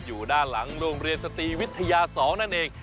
อยู่ด้านหลังโรงเรียนสตรีวิทยา๒นั่นเอง